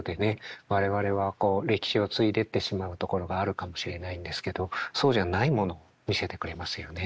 我々はこう歴史を継いでってしまうところがあるかもしれないんですけどそうじゃないもの見せてくれますよね